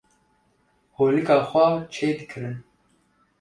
holika xwe çê dikirin